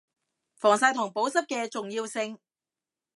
防曬同保濕嘅重要性